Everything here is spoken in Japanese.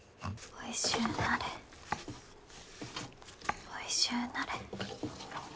おいしゅうなれ。